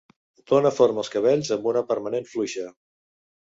Dóna forma als cabells amb una permanent fluixa.